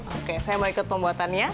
oke saya mau ikut pembuatannya